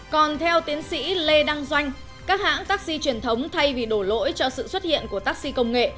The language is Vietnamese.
còn theo tiến sĩ lê đăng doanh các hãng taxi truyền thống thay vì đổ lỗi cho sự xuất hiện của taxi công nghệ